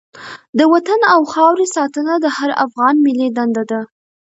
د وطن او خاورې ساتنه د هر افغان ملي دنده ده.